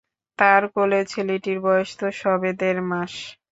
তার কোলের ছেলেটির বয়স তো সবে দেড় মাস।